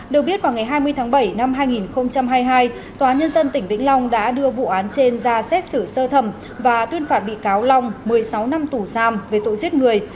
được biết vào ngày hai mươi tháng bảy năm hai nghìn hai mươi hai tòa nhân dân tỉnh vĩnh long đã đưa vụ án trên ra xét xử sơ thẩm và tuyên phạt bị cáo long một mươi sáu năm tù giam về tội giết người